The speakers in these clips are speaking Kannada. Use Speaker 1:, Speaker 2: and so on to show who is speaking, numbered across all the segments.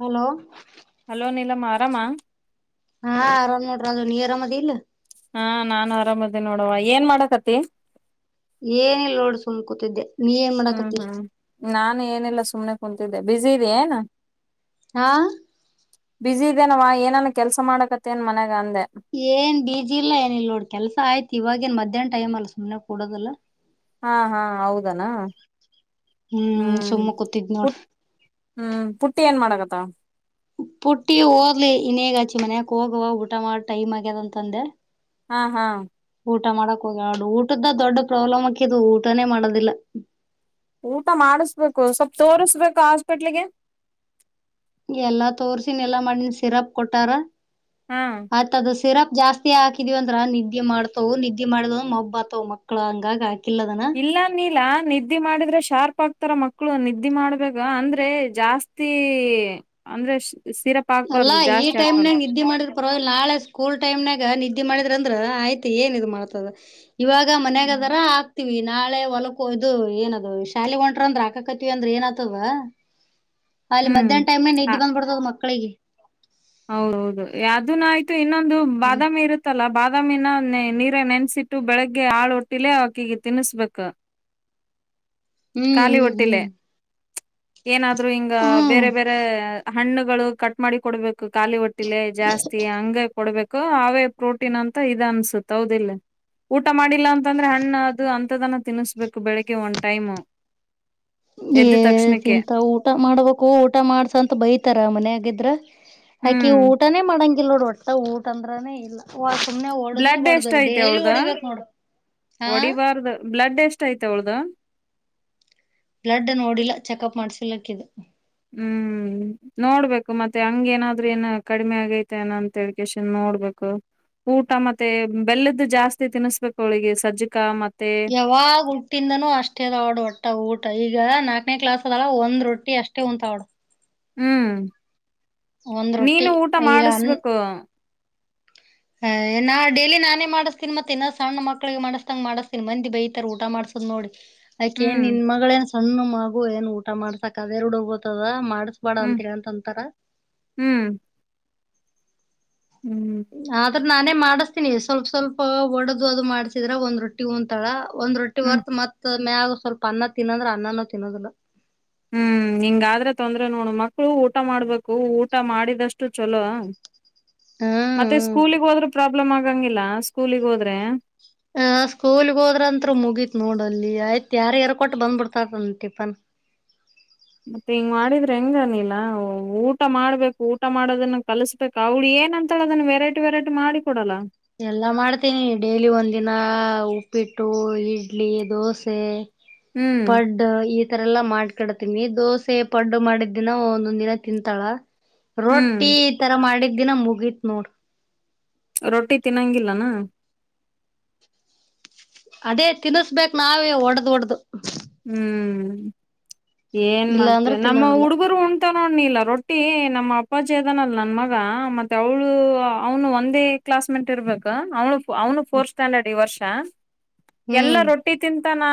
Speaker 1: ಹಲೋ.
Speaker 2: ಆರಾಮ್ ಮಾ.
Speaker 1: ಹಾಂ ಆರಾಮ್ ನೋಡ್ರ ರಾಜು ನೀ ಅರಾಮದಿ ಇಲ್ಲ.
Speaker 2: ಹಾಂ ನಾನು ಆರಾಮದೇ ನೋಡವ ಏನ್ ಮಾಡಕತಿ.
Speaker 1: ಏನ ಇಲ್ಲ ನೋಡ್ ಸುಮ್ ಕೂತಿದ್ದೆ. ನೀ ಏನ್
Speaker 2: ಹ್ಮ್
Speaker 1: ಮಾಡಾಕತಿ
Speaker 2: ಹ್ಮ್ ನಾನು ಏನಿಲ್ಲ ಸುಮ್ನೆ ಕುಂತಿದ್ದೆ ಬಿಜಿ ಇದಿ ಏನ.
Speaker 1: ಹಾ.
Speaker 2: ಬಿಜಿ ಇದೇನ ಅವ್ವ ಏನನ್ ಕೆಲ್ಸಾ ಮಾಡಕತ್ತ ಏನ್ ಮನ್ಯಾಗ. ಅಂದೆ
Speaker 1: ಏನ್ ಬಜಿ ಇಲ್ಲ ಏನ ಇಲ್ ನೋಡ್ ಕೆಲ್ಸ ಆಯ್ತು ಇವಾಗೆನ ಮಧ್ಯಾಹ್ನ ಟೈಮ್ ಅಲ್ಲ ಸುಮ್ನೆ ಕೂಡೋದಲ್ಲಾ.
Speaker 2: ಹಾಂ ಹಾಂ ಹೌದನ. ಹ್ಮ
Speaker 1: ಹ್ಮ್ ಸುಮ್ಮ ಕೂತಿದ್ ನೋಡ್
Speaker 2: ಪುಟ ಹ್ಮ್ ಪುಟ್ಟಿ ಏನ್ ಮಾಡಕತ್ತಾಳ.
Speaker 1: ಪುಟ್ಟಿ ಹೊದ್ಲ್ ಇನ್ನೆಗ ಅಕಿ ಮನ್ಯಾಗ ಹೋಗುವ ಊಟ ಮಾಡ ಟೈಮ್ ಆಗ್ಯದ ಅಂತ ಅಂದೆ.
Speaker 2: ಹಾ ಹಾ.
Speaker 1: ಊಟ ಮಾಡಕ್ ಹೋಗ್ಯಾಳ ನೋಡ ಊಟದ್ದ ದೊಡ್ಡ ಪ್ರಾಬ್ಲಮ್ ಹಾಕಿದು ಊಟಾನೇ ಮಾಡೊದಿಲ್ಲ.
Speaker 2: ಊಟ ಮಾಡಿಸ್ಬೇಕು ಸ್ವಲ್ಪ ತೋರಿಸ ಬೇಕು ಹಾಸ್ಪಿಟಲ್ಗೆ.
Speaker 1: ಎಲ್ಲಾ ತೋರಸಿನಿ ಎಲ್ಲಾ ಮಾಡಿನ ಸಿರಪ್ ಕೊಟ್ಟಾರ
Speaker 2: ಹಾ
Speaker 1: ಆತ ಅದ ಸಿರಪ್. ಜಾಸ್ತಿ ಹಾಕಿದಿವಿ ಅಂದ್ರ ನಿದ್ದೆ ಮಾಡ್ತಾವ ನಿದ್ದೆ ಮಾಡಿದಿವ ಮಬ್ಬ ಆಗತಾವು ಮಕ್ಕಳು ಹಂಗಾಗ ಹಾಕ.
Speaker 2: ಇಲ್ಲಾ ನೀಲಾ ನಿದ್ದಿ ಮಾಡಿದ್ರೆ ಶಾರ್ಪ್ ಆಗ್ತ. ಈ ತರ ಮಕ್ಕಳು ನಿದ್ದಿ ಮಾಡ್ಬೇಕ ಅಂದ್ರೆ ಜಾಸ್ತಿ ಅಂದ್ರೆ. ಸಿರಪ್
Speaker 1: ಅಲ್ಲಾ
Speaker 2: ಹಾಕ್ಬಾರ್ದು
Speaker 1: ಈ
Speaker 2: ಜಾಸ್ತಿ
Speaker 1: ಟೈ ನ್ಯಾಗ
Speaker 2: ಹಾಕ್ಬಾರ್ದು
Speaker 1: ನಿದ್ದೆ ಮಾಡಿದ್ ಪರವಾಗಿ ನಾಳೆ ಸ್ಕೂಲ್ ಟೈಮ ನ್ಯಾಗ ನಿದ್ದಿ. ನಿದ್ದಿ ಮಾಡಿದ್ರ ಅಂದ್ರ ಆಯ್ತು ಏನ್ ಇ ಮಾಡ್ತದ ಇವಾಗ ಮನ್ಯಾಗ ಅದಾರ ಆಗ. ಹವಿ ನಾಳೆ ಹೊಲಕ್ಕೋ ಇದು ಏನದು ಶಾಲೆಗೆ ಹೊಂಟ್ರ ಅಂದ್ರೆ ಹಕಕತ್ತವಿ ಅಂದ್ರ ಏನ್ ಆತವ ಅಲ್ಲಿ
Speaker 2: ಹ್ಮ್
Speaker 1: ಮಧ್ಯಾಹ್ನ ಟೈಮನ್ಯಾಗ ನಿದ್ದಿ ಬಂದ ಬಿಡ್ತದ್ ಮಕ್ಕಳಿಗೆ.
Speaker 2: ಹೌದೌದು ಅದನ್ ಆಯ್ತು ಇನ್ನೊಂದು ಬಾದಾಮಿ ಇರುತ್ತಲ್ಲ ಬಾಮ. ದಾಮಿನ ನೀರ ನೆನ್ಸಿಟ್ಟು ಬೆಳಿಗ್ಗೆ ಆಳ ಹೊಟ್ಟಿಲೆೇ ಅಕ್ಕಿಗೆ ತಿನಸಬೇಕ. [inaudible]
Speaker 1: ಹ್ಮ್ ಹ್ಮ್ ಹ್ಮ್.
Speaker 2: ಏನಾದ್ರೂ ಹಿಂಗ
Speaker 1: ಹ್ಮ್
Speaker 2: ಬೇರೆ ಬೇರೆ ಹಣ್ಣುಗಳು ಕಟ್ ಮಾಡಿ ಕೊಡ್ಬೇಕು ಖಾಲಿ ಹೊಟ್ಟಿ. [unintelligible] ಜಾಸ್ತಿ ಹಂಗ ಆಗಿ. ಕೊಡ್ಬೇಕು ಅವೇ ಪ್ರೋಟೀನ್ ಅಂತ ಇದ ಅನ್ಸುತ್ತ ಹೌದಿಲ್ಲ ಊಟ ಮಾಡಿ. ಇಲ್ಲ ಅಂತಂದ್ರೆ ಹಣ್ಣ ಅದು ಅಂತದನ ತಿನ್ನಿಸಬೇಕು ಬೆಳಗ್ಗೆ ಒಂದ್ ಟೈಮ.
Speaker 1: ಏ ತಿಂತವು ಊಟ ಮಾಡ್ಬೇಕು ಊಟ ಮಾಡ್ಸಂತ ಬೈತಾರ ಮನ್ಯಾಗ ಇದ್ರ. ಆಕಿ
Speaker 2: ಹ್ಮ್
Speaker 1: ಊಟನೇ ಮಾಡಂಗಿಲ್ಲ ನೋಡಿ ಒಟ್ಟ ಊಟ ಅಂದ್ರಾನೇ ಇಲ್ಲ ಹ ಸುಮ್ನೆ ಹೊಡ್ದ
Speaker 2: ಬ್ಲಡ್ ಎಷ್ಟ
Speaker 1: ಬಡ್ದ
Speaker 2: ಐತೆ
Speaker 1: ಡೇಲಿ
Speaker 2: ಅವಳ್ದ
Speaker 1: ಹೊಡಿಬೇಕಕ್ ನೋಡು ಹಾ
Speaker 2: ಹೊಡಿಬಾರ್ದ ಬ್ಲಡ್ ಎಷ್ಟ ಆಯ್ತ ಅವಳ್ದ
Speaker 1: ಬ್ಲಡ್ ನೋಡಿಲ್ಲ ಚೆಕಪ್ ಮಾಡ್ಸಲಕ್ಕ ಇದು
Speaker 2: ಹ್ಮ್ ನೋಡ್ಬೇಕು ಮತ್ತೆ ಹಂಗ ಏನಾದ್ ಏನ ಕಡಿಮೆ ಆಗೈತೆ ಏನ ಅಂತ ಹೇಳಕೇಶನ್ ನೋಡ್ಬೇಕು ಊಟ ಮತ್ತೆ ಬೆಲ್ಲದ್ದು ಜಾಸ್ತಿ ತಿನ್ಸ್ಬೇಕು ಅವಳಿಗೆ ಸಜ್ಜಿಕ ಮತ್ತೆ
Speaker 1: ಯಾವಾಗ ಹುಟ್ಟಿಂದನೂ ಅಷ್ಟೇ ಅದ ಆಡ್ ಒಟ್ಟ ಊಟ ಈಗ ನಾಲ್ಕನೇ ಕ್ಲಾಸ್ ಅದಲ್ಲ ಒಂದ್ ರೊಟ್ಟಿ ಅಷ್ಟೇ ಉಂಟ ಅವಡು
Speaker 2: ಹ್ಮ್
Speaker 1: ಒಂದ್ ರೊಟ್ಟಿ
Speaker 2: ನೀನು ಊಟ ಮಾಡಿಸ್ಬೇಕು
Speaker 1: ಹ್ ನಾ ಡೇಲಿ ನಾನೇ ಮಾಡಿಸ್ತೀ ಮತ್ತೆ ಇನ್ನ ಸಣ್ಣ ಮಕ್ಳಿಗೆ ಮಾಡಿಸಸತಂಗ ಮಾಡಿಸತನಿ ಮಂದಿ ಬೈತರ ಊಟ ಮಾಡ್ಸ್ತನಿ ನೋಡಿ ಆಯಕ ಏನ್
Speaker 2: ಹ್ಮ್
Speaker 1: ನಿನ್ ಮಗಳ ನ್ ಸಣ್ಣ ಮಗು ಏನ್ ಊಟ ಮಾಡಸಾಕ್ ಅದೇ ರುಡುಬತದ ಮಾಡ ಕಸ್ ಬೇಡ
Speaker 2: ಹ್ಮ್
Speaker 1: ಅಂತರ ಅಂತೊಂತಾರ
Speaker 2: ಹ್ಮ್ ಹ್ಮ್
Speaker 1: ಆದ್ರ ನಾನೇ ಮಾಡಿಸ್ತೀನಿ ಸ್ವಲ್ಪ ಸ್ವಲ್ಪ ಒಡದು ಅದು ಮಾಡ್ಸಿದ್ರ ಒಂದ್ ರೊಟ್ಟಿ ಒಂ ಒಂದ್ ರೊಟ್ಟಿ
Speaker 2: ಹ್ಮ್
Speaker 1: ಬರ್ತ ಮತ್ ಮ್ಯಾಗ ಸ್ವಲ್ಪ ಅನ್ನ ತಿನ್ನಂದ್ರ ಅನ್ನನೂ ತಿನ್ನೋದಿಲ್ಲ
Speaker 2: ಹ್ಮ್ ಹ್ಮ ಹಿಂಗಾದ್ರೆ ತೊಂದ್ರೆ ನೋಡು ಮಕ್ಳು ಊಟ ಮಾಡ್ಬೇಕು ಊಟ ಮಾಡಿದಷ್ಟು ಚಲೋ
Speaker 1: ಹ್ಮ್
Speaker 2: ಮತ್ತೆ
Speaker 1: ಹ್ಮ್.
Speaker 2: ಸ್ಕೂಲಿಗ್ ಹೋದ್ರ ಪ್ರಾಬ್ಲಮ್ ಆಗಂಗಿಲ್ಲ ಸ್ಕೂಲಗ್ ಹೋದ್ರೆ
Speaker 1: ಆ ಸ್ಕೂಲ್ಗ್ ಹೋದ್ರಂತ್ರ ಮುಗೀತ್ ನೋಡಲ್ಲಿ ಆಯ್ತ್ ಯಾರ ಯಾರ ಕೊಟ್ಟ ಬಂದ್ಬಿಡ್ತತನ್ ಟಿಫನ್
Speaker 2: [inaudible] ಮತ್ತೆ ಹಿಂಗ್ ಮಾಡಿದ್ರೆ ಹೆಂಗನಿಲ್ಲ ಊಟ ಮಾಡ್ಬೇಕು ಊಟ ಮಾಡೋದನ್ನ ಕಲ್ಸ್ಬೇಕ ಅವಳಿಯ ಏನ ಅಂತ ಹೇಳಳ ಅದನ್ನ ವೆರಟಿೆರೈಟಿ ಮಾಡಿ ಕೊಡಲ್ಲ
Speaker 1: ಎಲ್ಲಾ ಮಾಡ್ತೀನಿ ಡೈಲಿ ಒಂದಿನ ಉಪ್ಪಿಟ್ಟು ಇಡ್ಲಿ ದೋಸೆ
Speaker 2: ಹ್ಮ್
Speaker 1: ವಾಡೂ ಈ ತರ ಎಲ್ಲಾ ಮಾಡ್ಕಡತೀನಿ ದೋಸೆ ಪಡ್ಡು ಮಾಡಿದ್ದಿನ ಒಂದೊಂದ್ ದಿನ ತಿಂತಾಳ
Speaker 2: ಹ್ಮ್
Speaker 1: ರೊಟ್ಟಿ ಈ ತರ ಮಾಡಿದ ದಿನ ಮುಗಿತ್ ನೋಡ
Speaker 2: ರೊಟ್ಟಿ ತಿನ್ನೊಂಗಿಲ್ಲನಾ
Speaker 1: ಅದೇ ತಿನ್ಸ್ಬೇಕಕ್ ನಾವೇ ಒಡ್ದ್ ಒಡ್ದ
Speaker 2: ಹ್ಮ್ ಏನ್
Speaker 1: ಇಲ್ಲ ಅಂದ್ರೆ
Speaker 2: ಮಾಡ್ತೇವೆ ನಮ್ಮ
Speaker 1: ತಿನ್ನೋದಿಲ್ಲ
Speaker 2: ಹುಡುಗರು ಉಂಟ ನೋ ಇಲ್ಲ ರೊಟ್ಟಿ ನಮ್ಮ ಅಪ್ಪಾಜಿದನಲ್ ನನ್ ಮಗ ಮತ್ತೆ ಅವಳು ಅವನು ಒಂದೇ ಕ್ ಕಸ್ಮೆಂಟ್ ಇರ್ಬೇಕ ಅವ್ಳ ಅವನು ಫೋರ್ತ್ ಸ್ಟ್ಯಾಂಡರ್ಡ್ ಈ ವರ್ಷ ಎಲ್ಲಾ
Speaker 1: ಹ್ಮ್
Speaker 2: ರೊಟ್ಟಿ ತಿಂತ ನಾ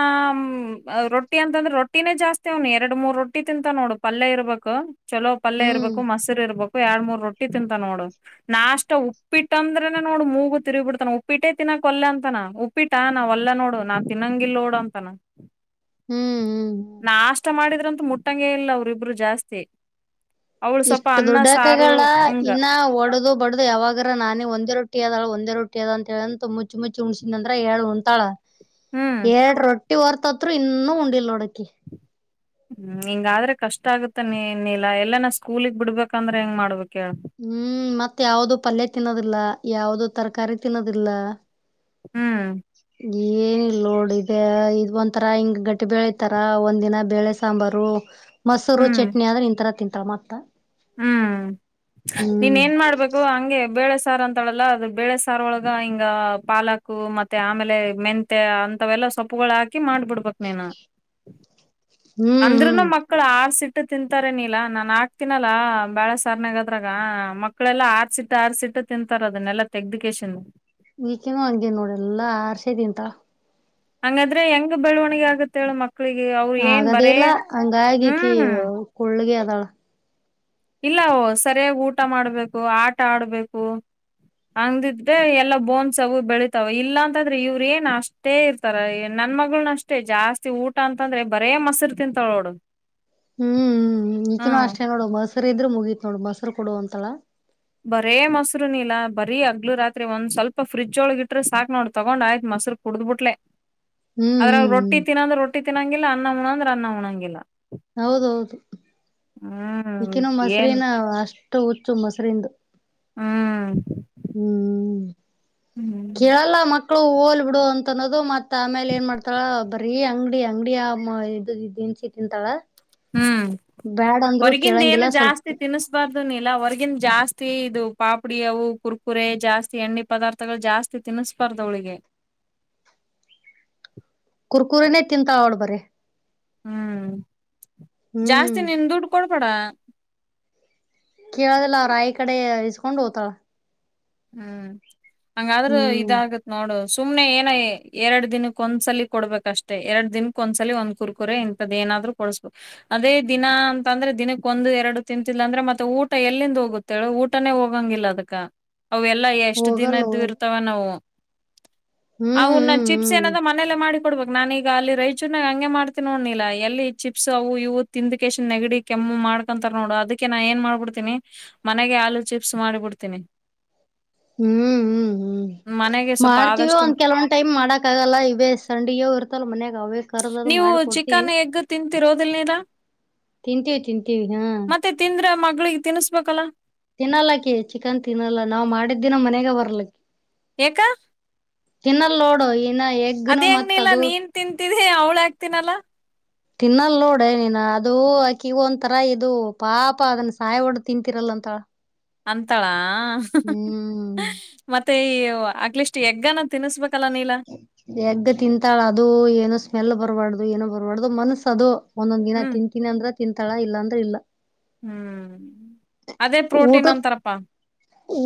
Speaker 2: ರೊಟ್ಟಿ ಅಂತಂದ್ರೆ ರೊಟ್ಟಿನೇ ಜಾಸ್ತಿ ಅವ್ನು ಎರ ಮೂರ್ ರೊಟ್ಟಿ ತಿಂತ ನೋಡು ಪಲ್ಯ ಇರ್ಬೇಕಕ್ ಚಲೋ ಪಲ್
Speaker 1: ಹ್ಮ್
Speaker 2: ಇರ್ಬೇಕು ಮೊರು ಇರ್ಬೇಕು ಎರಡ್ ಮೂರ್ ರೊಟ್ಟಿ ತಿಂತ ನೋಡು ನಾಷ್ಟ ಉಪ್ಪಿಟ್ಟ ಅಂದ್ರೆ ನೋಡು ಮೂಗು ತಿರುಿ ಬಿಡ್ತಾನ ಉಪ್ಪಿಟ್ಟೇ ತಿ ಕೊಲ್ಲ ಅಂತನ ಉಪ್ಪಿಟ್ಟ ನಾ ಒಲ್ಲ ನೋಡು ನಾ ತಿನ್ನಂಗಿಲ್ಲ ನೋಡು ಅಂತನ
Speaker 1: ಹ್ಮ್ ಹ್ಮ್ ಹ್ಮ್
Speaker 2: ನಾ ಆಷ್ಟ ಮಾಡಿದ್ರಂತೂ ಮುಟ್ಟಂ ಇಲ್ಲ ಅವ್ರಿಬ್ರು ಜಾಸ್ತಿ ಅವ್ಳು ಸ್ವಲ್ಪ
Speaker 1: ಇಷ್ಟ
Speaker 2: ಅನ್ನ ಸಾರು
Speaker 1: ದುಡ್ಡಕಗಳ
Speaker 2: ಹಿಂಗ
Speaker 1: ಇನ್ನ ಒಡದು ಬಡದು ಯಾವಾಗರ ನಾನೇ ಒಂದ ಒಂದೇ ರೊಟ್ಟಿದಳ ಒಂದ ರೊಟ್ಟಿ ಅದ ಅಂತ ಹೇಳ ಅಂತ ಮುಚ್ಚ ಮುಚ್ಚಿುಣ್ಸಿದ ಅ್ರ ಹೇಳಳ್ ಉಂಂತಳ
Speaker 2: ಹ್ಮ್
Speaker 1: ಎರಡ್ ರೊಟ್ಟಿ ಹೊರ್ತತ್ರು ಇನ್ನೂ ಉಂಡಲ್ ನೋಡಕಿ
Speaker 2: ಹ್ಮ್ ಹಿಂಗಾದ್ರೆ ಕಷ್ಟ ಆಗುತ್ತ ನೀನಲ್ಲಲ್ಲ ಎಲ್ಲ ನಾ ಸ್ಕೂಲಗ್ ಬಿಡ್ಬೇಕಂದ್ರೆ ಹೆಂಗ ಮಾಡ್ಬೇಕು
Speaker 1: ಹ್ಮ್ ಮತ್ ಯಾವ್ದ ಪಲ್ಯ ತಿನ್ನೋದಿಲ್ಲ ಯಾವ್ದ ತರಕಾರಿ ತಿನ್ನೋದಿಲ್ಲ
Speaker 2: ಹ್ಮ್
Speaker 1: ಈ ಇ ನೋಡ್ ಇ ಇದ ಒಂಂತರಾ ಹಿಂಗ ಗಟ್ಟಿ ಬೆಳಿತಾರ ಒಂದ್ ದಿನ ಬೇಳೆ ಸಾಂಬಾರು ಮಸೂರು
Speaker 2: ಹ್ಮ್
Speaker 1: ಚಟ್ನಿ ಆದ್ರೆ ಇಂಥರ ತಿಂತಾರೆ ಮತ್ತ
Speaker 2: ಹ್ಮ್ ನೀನ್
Speaker 1: ಹ್ಮ್
Speaker 2: ಏನ್ ಮಾಡ್ಬೇಕು ಹಂಗೆ ಬೇಳ ಸಾರ್ ಅಂತಳಲ್ಲ ಅದು ಬೇಳೆ ಸಾರ್ ಒಳಗ ಹಿಂಗ ಪಾಲಕ ಮತ್ತೆ ಆಮೇಲೆ ಮೆಂತೆ ಅಂತವೆಲ್ಲ ಸೊಪ್ಪುಗಳು ಹಾಕಿ ಮಾಡ್ಬಿಡ್ಬೇಕ ನೀನು
Speaker 1: ಹ್ಮ್ ಹ್ಮ್
Speaker 2: ಅಂದ್ರನು ಮಕ್ಕಳ ಆಸಿ ತಿಂತಾರೆ ನೀಲಾ ನಾ ಅಕ್ತಿನಿ ತಿಲ್ಲಾಲ ಬೆಲೆ ಸಾರ್ನಾಗದ್ರಾಗ ಮಕ್ಕಳೆಲ್ಲಾ ಆರ್ಸಿಟ್ಟ ಆರ್ಸಿಟ್ಟು ತಿಂತಾರ ಅದನ್ನೆಲ್ಲಾ ತೆಗ್ದಿಕೇಶನ್
Speaker 1: ಈಕೇನು ಹಂಗೇ ನೋಡು ಎಲ್ಲಾ ಹಾರಿಸಿ ತಿಂತಲಾ
Speaker 2: ಹಂಗಾದ್ರೆ ಹೆಂಗ ಬೆಳವಣಿಗೆ ಆಗತ್ತ ಹೇಳು ಮಕ್ಕ ಮಕ್ಕಳಿಗೆ ಅವ್ರು ಏನ್ ಬರೇ
Speaker 1: ಆಗದಿಲ್ಲ ಹಂಗಾಗಿಕಿ
Speaker 2: ಹ್ಮ್
Speaker 1: ಕುಳ್ಳಗೆ ಅದಾಳ
Speaker 2: ಇಲ್ಲಾ ಸರಿಯಾಗಿ ಊಟ ಮಾಡ್ಬೇಕು ಆಟ ಆಡ್ಬೇಕು ಹಂಗಿದ್ರೆ ಎಲ್ಲ ಬೋನ್ಸ್ ಅವು ಬೆಳಿತಾವ ಇಲ್ಲಾ ಅಂತಂದ್ರೆ ಇವ್ರ ಏನ್ ಅಷ್ಟೇ ಇರ್ತಾರೇ ನನ್ ಮಗಳನು ಅಷ್ಟೇ ಜಾಸ್ತಿ ಊಟ ಅಂತಂದ್ರೆ ಬರೇ ಮೊಸರು ತಿಂತಾಳೋಡು
Speaker 1: ಹ್ಮ್ ಹ್ಮ್ ಈಕಿನೂ ಅಷ್ಟೇ ನೋಡು ಮೊರುಸು ಇದ್ರೆ ಮುಗೀತ್ ನೋಡು ಮೊಸರು ಕೊಡ ಅಂತಲ
Speaker 2: ಬರೇ ಮೊಸಾರು ಲೀಲಾ ಬರೀ ಹಗಲು ರಾತ್ರಿ ಒಂದ್ ಸ್ವಲ್ಪ ಫ್ರಿಜ್ ಒಳಗ ಇಟ್ರೆ ಸಾಕ್ ನೋಡ್ ತೊಗೊಂಡ್ ಆಯ್ತ್ ಮ ಮೊಸರು ಕುಡುಬಿಟ್ಲೆ
Speaker 1: ಹ್ಮ್
Speaker 2: ಅದ್ರಾಗ
Speaker 1: ಹ್ಮ್ ಹ್ಮ್
Speaker 2: ರೊಟ್ಟಿ ತಿನ್ನಂದ್ರೆ ರೊಟ್ಟಿ ತಿನ್ನೊಂಗಿಲ್ಲ ಅನ್ನ ಉಣಂದ್ರೆ ಅನ್ನ ಉಣಂಗಿಲ್ಲ
Speaker 1: ಹೌದೌದು
Speaker 2: ಹ್ಮ್
Speaker 1: ಈಕಿನ
Speaker 2: ಏನ್
Speaker 1: ಮೊಸರಿನ ಅಷ್ಟು ಹುಚ್ಚು ಮೊಸರಿಂದು
Speaker 2: ಹ್ಮ್
Speaker 1: ಹ್ಮ್
Speaker 2: ಹ್ಮ್
Speaker 1: ಕೇಳಲ್ಲ ಮಕ್ಳು ಮಕ್ಕಳು ಹೋಲ್ ಬಿಡು ಅಂತ ಅನ್ನೋದು ಮತ್ತತ್ ಆಮೇಲೆ ಏನ್ ಮಾಡ್ತಾಳ ಬರೀ ಅಂಗಡಿ ಅಂಗಡಿ ಇದ ಇದೀನಿ ನಿ ತಿಂತಳ
Speaker 2: ಹ್ಮ್ ಹೊರ್ಗಿಂದ ಏನು
Speaker 1: ಕೇಳಂಗಿಲ್ಲ ಸ್ವಲ್ಪ
Speaker 2: ಜಾಸ್ತಿ ತಿನಿಸಬಾರ್ದು ಲೀಲಾ ಹೊರಗಿಂದು ಜಾಸ್ತಿ ಇದು ಪಾಪಡಿ ಅವು ಕುರ್ಕುರೆ ಜಾಸ್ತಿ ಎಣ್ಣೆ ಪದಾರ್ಥಗಳು ಜಾಸ್ತಿ ತಿನಿಸ್ ತಿನ್ನಿಸಬಾರದು ಅವಳಿಗೆ
Speaker 1: ಕುರ್ಕುರನೇ ತಿಂತಳೆ ಅವಳು ಬರೀ
Speaker 2: ಹ್ಮ್
Speaker 1: ಹ್ಮ್
Speaker 2: ಜಾಸ್ತಿ ನಿನ್ ದುಡ್ ಕೊಡಬೇಡ
Speaker 1: ಕೇಳದಿಲ್ಲ ಅವ್ರ್ ಆಯಿ ಕಡೆ ಇಸ್ಕೊಂಡ್ ಹೋಗ್ತಾಳ
Speaker 2: ಹ್ಮ್ ಹಂಗದ್ರೆ
Speaker 1: ಹ್ಮ್
Speaker 2: ಇದಾಗುತ್ತೆ ನೋಡು ಸುಮ್ನೆ ಏನೋ ಎರಡ್ ದಿನಕ್ಕ ಒಂದ್ಸಲ ಕೊಡ್ಬೇಕಷ್ಟೆ ಎರಡ್ ದಿನಕ್ಕ ಒಂದ್ಸಲಿ ಒಂದ್ ಕುರ್ಕುರೆ ಇಂತದ ಏನ ಏನಾದ್ರು ಕೊಡಿಸಬೇಕು ಅದೇ ದಿನ ಅಂತ ಅಂದ್ರೆ ದಿನಕ್ಕ ಒಂದು ಎರಡು ತಿಂತಿಲ್ಲ ಅಂದ್ರೆ ಮತ್ತೆ ಊಟ ಎಲ್ಲಿಂದ ಹೋಗುತ್ತೆ ಊಟನೇ ಹೋಗಂಗಿಲ್ಲ ಅದಕ್ಕ ಅವೆಲ್ಲಾ ಎಷ್ಟ್
Speaker 1: ಹೋಗಲ್ಲ
Speaker 2: ದಿನದ್ದು
Speaker 1: ಹೋಗಲ್ಲ
Speaker 2: ಇರ್ತಾವ ಏನೋ
Speaker 1: ಹ್ಮ್
Speaker 2: ಅವನ್ನ ಚಿಪ್ಸ್
Speaker 1: ಹ್ಮ್
Speaker 2: ಏನ ಮನೇಲ್ಲ ಮಾಡಿ ಕೊಡ್ಬಬೇಕು ನಾನ ಈಗ ಅಲ್ಲಿ ರೈಚೂರ್ನಾಗ ಹಂಗೆ ಮಾಡ್ತೀನಿ ನೋಡು ಲೀಲಾ ಎಲ್ಲಿ ಚಿಪ್ಸ್ ಅವು ಇವು ತಿಂದ್ ಕೆಮ್ಮು ನೆಗಡಿ ಕೆ ಮಾಡ್ಕೊಂತಾರ ನೋಡು ಅದಕ್ಕೆ ನಾ ಏನ್ ಮಾಡ್ಬಿಡ್ತೀನಿ ಮನೆಗೆ ಆಲೂ ಚಿಪ್ಸ್ ಮಾಡಿಬಿಡ್ತೀನಿ
Speaker 1: ಹ್ಮ್ ಹ್ಮ್ ಹ್ಮ್
Speaker 2: ಮನೆಗೆ ಸ್ವಲ್ಪ
Speaker 1: ಮಾಡ್ತೀವ
Speaker 2: ಆದಷ್ಟು
Speaker 1: ಒಂದ್ ಕೆಲವೊಂದ್ ಟೈಮ್ ಮಾಡಕ್ ಆಗಲ್ಲ ಇವೇ ಸಂಡಿಗೋ ಇರ್ತಲ್ಲ ಮನ್ಯಾಗ ಅವೇ ಕರ್ದದು
Speaker 2: ನೀವು
Speaker 1: ಮಾಡಿ ಕೊಡ್ತೀವಿ
Speaker 2: ಚಿಕನ್ ಎಗ್ ತಿಂತಿರೋ ಹೌದಲ್ಲ ಲೀಲಾ
Speaker 1: ತಿಂತೀವಿ ತಿಂತೀವಿ ಹಾ
Speaker 2: ಮಕ್ಕಳಿಗೆ ತಿನಿಸಬೇಕಲ್ಲಾ
Speaker 1: ತಿನ್ನಲಕ್ಕಿ ಚಿಕನ್ ತಿನ್ನಲ್ಲ ನಾವ್ ಮಾಡಿದ್ದಿನ ಮನೆಗ ಬರ್ಲಕ್ಕಿ
Speaker 2: ಯಾಕ
Speaker 1: ತಿನ್ನಲ್ಲ ನೋಡು ಇನ್ನ ಎಗ್ನು
Speaker 2: ಅದೇ ಹೆಂಗ್
Speaker 1: ಮತ್
Speaker 2: ನೀಲ್ಲಾ
Speaker 1: ಅದು
Speaker 2: ನೀನ್ ತಿಂತಿದಿ ಅವ್ಳ ಯಾಕೆ ತಿನಲ್ಲ
Speaker 1: ತಿನ್ನಲ್ ನೋಡ ನೀನ್ ಅದು ಆಕಿಗ ಒಂತರ ಇದು ಪಾಪ ಅದನ್ನ ಸಾಯ ಒಡ್ ತಿಂತೀರಲ್ಲ ಅಂತಾಳ್
Speaker 2: ಅಂತಳಾ ಮತ್ತೆ ಆತ್ಲೆಲಿಸ್ಟ್ ಎಗ್ಗನ ತಿನ್ನಿಸಬೇಕು
Speaker 1: ಎಗ್ಗ ತಿಂತಾಳ ಅದು ಏನೋ ಸ್ಮೆಲ್ ಬರಬಾರ್ದು ಏನೋ ಬರಬಾರ್ದು ಮನ್ಸ ಅದು ಒಂದೊಂದ್ ದಿನಾ
Speaker 2: ಹ್ಮ್
Speaker 1: ತಿಂತಿನಿ ಅಂದ್ರ ತಿಂತಾಳಾ ಇಲ್ಲ ಅಂದ್ರ ಇಲ್ಲ
Speaker 2: ಹ್ಮ್ ಅದೇ
Speaker 1: ಊಟ
Speaker 2: ಪ್ರೋಟೀನ್ ಅಂತಾರಪ್ಪಾ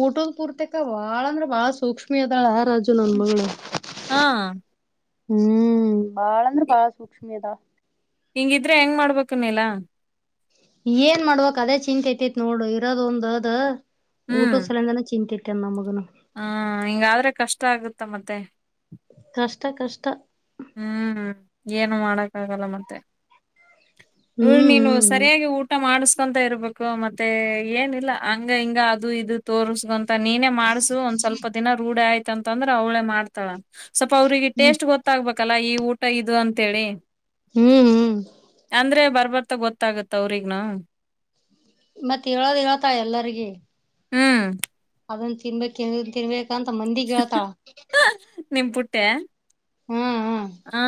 Speaker 1: ಊಟದ ಪೂರ್ತಕ್ಕ ಬಾಳ ಅಂದ್ರೆ ಬಾಳ್ ಸೂಕ್ಷ್ಮಿ ಅದಾಳ ಆ ರಾಜು ನನ್ ಮಗಳು
Speaker 2: ಹಾ
Speaker 1: ಹ್ಮ್ ಬಾಳ ಅಂದ್ರೆ ಬಾಳ ಸೂಕ್ಷ್ಮಿ ಅದಾಳ
Speaker 2: ಹಿಂಗಿದ್ರ ಹೆಂಗ್ ಮಾಡ್ಬೇಕ ನೇಲಾ
Speaker 1: ಏನ್ ಮಾಡ್ಬೇಕ್ ಅದೇ ಚಿಂತಿ ಹತ್ತಿತ ನೋಡ ಇರೋದ ಒಂದ್ ಆದ್ ಊಟ ಸಲಂದನ ಚಿಂತಿ ಐತಿ. ಕೆನ್ನ ಮಗನ
Speaker 2: ಹಾ ಹಿಂಗಾದ್ರ ಕಷ್ಟ ಆಗುತ್ತೆ ಮತ್ತೆ.
Speaker 1: ಕಷ್ಟ ಕಷ್ಟ.
Speaker 2: ಹ್ಮ್ ಏನು ಮಾಡಕ್ಕ ಆಗಲ್ಲ ಮತ್ತೆ. ಹ
Speaker 1: ಹ್ಮ್
Speaker 2: ನೀನು
Speaker 1: ಹ್ಮ್
Speaker 2: ಸರಿಯಾಗಿ ಊಟ ಮಾಡಸ ಅಂತ್ ಇರ್ಬೇಕು ಮತ್ತೆ ಏನಿಲ್ಲ ಹಂಗ ಹಿಂಗ ಅದು ಇದು ತೋರ್ಸ್ಕೊಂತ ನೀನೇ ಮಾಡ್ಸು ಒಂದ್ ಸ್ವಲ್ಪ ದಿನ ರೂಢ ಆಯ್ತ ಅಂತಂದ್ರ ಅವಳೇ ಮಾಡ್ತಾಳ ಸ್ವಲ್ಪ ಅವ್ರಿಗೆ
Speaker 1: ಹ್ಮ್
Speaker 2: ಟೇಸ್ಟ್ ಗೊತ್ತ ಹೋಗ್ಬೇಕಲ್ಲ ಈ ಊಟ ಇದು ಅಂತೇಳಿ.
Speaker 1: ಹ್ಮ್ ಹ್ಮ್
Speaker 2: ಅಂದ್ರೆ ಬರ್ಬರ್ತ ಗೊತ್ತಾಗತ್ತ ಅವ್ರಿಗ್ನೂ.
Speaker 1: ಮತ್ತೆ ಹೇಳದ್ ಹೇಳತಾ ಎಲ್ಲರಿಗಿ.
Speaker 2: ಹ್ಮ್
Speaker 1: ಅದನ್ ತಿನ್ಬೇಕ್ ಇದನ್ ತಿನ್ಬೇಕಂತ ಮಂದಿಗ್ ಹೇಳ್ತಾಳ.
Speaker 2: ನಿಮ್ ಪುಟ್ಟ್ಯಾ.
Speaker 1: ಹ್ಮ್ ಹ್ಮ್
Speaker 2: ಹಾ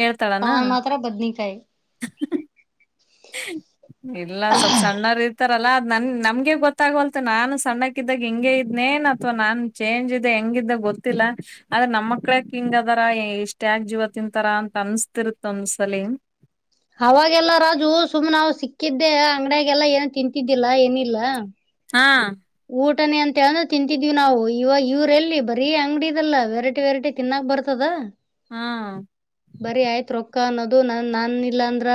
Speaker 2: ಹೇಳ್ತಾಳನ.
Speaker 1: ತಾನ್ ಮಾತ್ರ ಬದ್ನಿಕಾಯಿ
Speaker 2: ಇಲ್ಲ ಸ್ವಲ್ಪ ಸನ್ನರಿರ್ತ ಲತಲಾ ಅದ ನನ್ ನಮಗೆ ಗೊತ್ತಾಗವಲ್ತ್ ನಾನು ಸಣ್ಣಕ್ಕ ಇದ್ದಾಗ ಹಿಂಗೆ ಇದ್ನೇನ್ ಅಥವಾ ನಾನ್ ಚೇಂಜ್ ಇದೆ ಹೆಂಗ ದೇ ಗೊತ್ತಿಲ್ಲ ಆದ್ರೆ ನಮ್ಮ ಮಕ್ಳ ಯಾಕ್ ಹಿಂಗ್ ಅದಾರ ಇಷ್ಟ ಯಾಕ್ ಜೀವ ತಿಂತಾರ ಅಂತ ಅನ್ಸ್ತಿರತ್ತ ಒನ್ನಸಲಿ.
Speaker 1: ಸುಮ್ಮ ನಾವ ಸಿಕ್ಕಿದ್ದೆ ಅಂಗ್ಡ್ಯಾಗೆಲ್ಲಾ ಏನ ತಿಂತಿದ್ದಿಲ್ಲಾ ಏನಿಲ್ಲ.
Speaker 2: ಹಾ
Speaker 1: ಊಟನೆ ಅಂತ ಹೇಳ್ ತಿಂತಿದೀವಿ ನಾವು ಇವಾಗ ಇವ್ರ ಎಲ್ಲಿ ಬರೀ ಅಂಗಡಿ ಇದಲ್ಲಾ ವೆರೈಟಿ ವೆರೈಟಿ ತಿನ್ನಕ್ ಬರ್ತದ.
Speaker 2: ಹಾ
Speaker 1: ಬರಿ ಆಯ್ತ್ ರೊ. ಅಕ್ಕ ಅನ್ನೋದು ನಾನ್ ನಾನ್ ಇಲ್ಲ ಅಂದ್ರ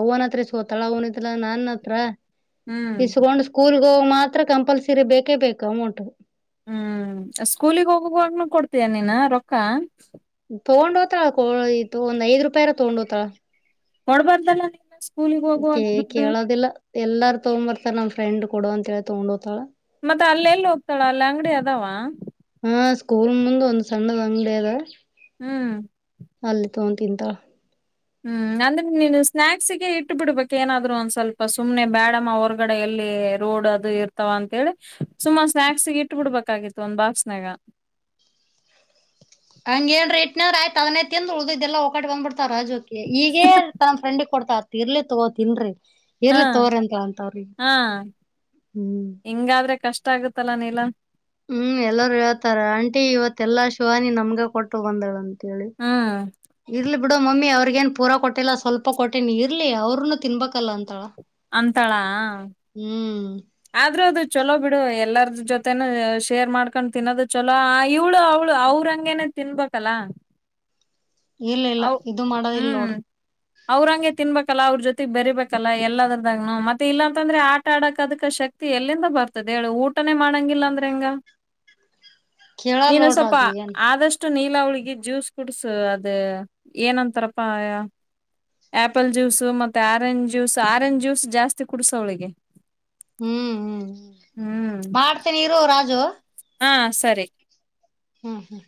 Speaker 1: ಅವ್ವನ್ ಹತ್ರ ಇಸ್ಕೊತಾಳ ಅವ್ವನಿದ್ದಿಲ್ಲ ನನ್ ಹತ್ರ
Speaker 2: ಹ್ಮ್
Speaker 1: ಇಸ್ಕೊಂಡ್ ಸ್ಕೂಲ್ಗ ಹೋಗ ಮಾತ್ರ ಕಂಪಲ್ಸರಿ ಬೇಕೇ ಬೇಕು ಅಮೌಂಟ್.
Speaker 2: ಹ್ಮ್ ಸ್ಕೂಲಗ್ ಹೋಗುವಾಗ್ನು ಕೊಡ್ತೀಯ ನೀನ ರೊಕ್ಕ.
Speaker 1: ತೊಗೊಂಡ ಹೋತಾಳ ಕೊ ಇದು ಒಂದ್ ಐದ ರೂಪಾಯರ ತೊಗೊಂಡ್ ಹೋತಳ.
Speaker 2: ಕೊಡ್ಬಾರ್ದಲ್ಲಾ ಸ್ಕೂಲಿಗ ಹೋಗುವಾಗ ದುಡ್ಡ.
Speaker 1: ಎಲ್ಲಾರ ತಗೊಂಡ್ ಬರ್ತಾರ್ ನಮ ಫ್ರೆಂಡ್ ಕೊಡು ಅಂತ ಹೇಳಿ ತೊಗೊಂಡ್ ಹೋತಾಳ್.
Speaker 2: ಮತ್ತ ಅಲ್ಲೆಲ್ಲಿ ಹೋಗ್ತಾಳ ಅಲ್ಲಿ ಅಂಗಡಿ ಅದಾವ.
Speaker 1: ಹಾ ಸ್ಕೂಲ್ ಮುಂದ ಒಂದ ಸಣ್ಣದ್ ಅಂಗಡಿ ಅದಾ.
Speaker 2: ಹ್ಮ್
Speaker 1: ಅಲ್ಲಿ ತೊಂಡ ತಿಂತಾಳ.
Speaker 2: ಹ್ಮ್ ಅಂದ್ರ ನೀನು ಸ್ನ್ಯಾಕ್ಸಿಗೆ ಇಟ್ಟ ಬಿಡ್ಬೇಕ್ ಏನಾದ್ರು ಒಂದ್ ಸ್ವಲ್ಪ ಸುಮ್ನೆ ಬ್ಯಾಡಮ್ಮ ಹೊರಗಡೆ ಎಲ್ಲಿ ಲ್ಲಿ ರೋಡ್ ಅದು ಇರ್ತಾವ ಅಂತೇಳಿ ಸುಮ್ಮ ಸ್ನಾಕ್ಸ್ ಇಟ್ಟ ಬಿಡ್ಬೇಕಾಗಿತ್ತು ಒಂದ್ ಬಾಕ್ಸ್ನಾಗ. [inaudible]
Speaker 1: ಹಂಗ ಏನ್ರ ಇಟ್ನ ಅಂದ್ರ ಆಯ್ತ ಅದನ್ನೇ ತಿಂದ ಉಳದಿದ್ದೆಲ್ಲಾ ಒಕಾಟ ಬಂದ್ ಬಿಡ್ತಾರ್ ರಾಜು ಈಗೇ ತನ್ನ ಫ್ರೆಂಡಿಗೆ ಕೊಡ್ತಾ ಆತ್ ಇರ್ಲಿ ತಗೋ ತಿನ್ರೀ
Speaker 2: ಹಾ ಹಾ
Speaker 1: ಹ್ಮ್
Speaker 2: ಹಿಂಗಾದ್ರೆ ಕಷ್ ಇಷ್ಟ ಆಗುತ್ತಲ್ಲ ನೀಲ್ಲ.
Speaker 1: ಹ್ಮ್ ಎಲ್ಲೊರೂ ಹೇಳ್ತಾರ ಆಂಟಿ ಇವತ್ತೆಲ್ಲಾ ಶಿವಾನಿ ನಮ್ಗ ಕೊಟ್ಟು ಬಂದುಳಂತ. ಎಲ್ಲಿ
Speaker 2: ಹ್ಮ್
Speaker 1: ಇರ್ಲಿ ಬಿಡು ಮಮ್ಮಿ ಅವ್ರಿಗೇನು ಪೂರಾ ಕೊಟ್ಟಿಲ್ಲ ಸ್ವಲ್ಪ ಕೊಟ್ಟೇನ ಇರ್ಲಿ ಅವ್ರರುನು ತಿನ್ಬೇಕಲ್ಲ ಅಂತಳ.
Speaker 2: ಅಂತಾಳಾ.
Speaker 1: ಹ್ಮ್
Speaker 2: ಆದ್ರೂ ಅದು ಚೊಲೋ ಬಿಡು ಎಲ್ಲಾರ ಜೊತೆನೂ ಶೇರ್ ಮಾಡ್ಕೊಂಡ್ ತಿನ್ನೋದು ಚಲೋ ಆ ಇವ್ಳು ಅವ್ಳು ಅವ್ರಂಗೆನೆ ತಿನ್ಬೇಕಲ್ಲ.
Speaker 1: ಇಲ್ಲ ಇಲ್ಲ
Speaker 2: ಅವ್
Speaker 1: ಇದು ಮಾಡೋದಿಲ್
Speaker 2: ಹ್ಮ್
Speaker 1: ನೋಡ್
Speaker 2: ಅವ್ರಂಗೆ ತಿನ್ಬೇಕ ಕಲಾ ಅವ್ರ ಜೊತೆಗ್ ಬೇರೀಬೇಕಲ್ಲಾ ಎಲ್ಲದರದಾಗನು ಮತ್ತೆ ಇಲ್ಲಾಂತಂದ್ರೆ ಆಟ ಆಡಕ್ ಅದಕ ಶಕ್ತಿ ಎಲ್ಲಿಂದ ಬರ್ತದೆ ಹೇಳು ಊಟನೇ ಮಾಡಂಗಿಲ್ಲ ಅಂದ್ರೆ ಹೆಂಗ
Speaker 1: ಕೇಳಲ್
Speaker 2: ನೀನು ಸ್ವಪ
Speaker 1: ನೋಡ್ರಾಜು ಏನ್
Speaker 2: ಆದಷ್ ಷ್ಟು ನೀಲ ಹುಳಗಿ ಜ್ಯೂಸ್ ಕುಡ್ಸು ಅದ ಏನಂತಾರಪಾ ಆಪಲ್ ಜ್ಯೂಸ್ ಮತ್ತೆ ಆರೆಂಜ್ ಜ್ಯೂಸ್ ಆರೆಂಜ್ ಜ್ಯೂಸ್ ಜಾಸ್ತಿ ಕುಡ್ಸ ಅವಳಿಗೆ
Speaker 1: ಹ್ಮ್ ಹ್ಮ್ ಮಾಡ್ತೇನಿ ಇರು ರಾಜು
Speaker 2: ಹಾ ಸರಿ
Speaker 1: ಹ್ಮ್ ಹ್ಮ್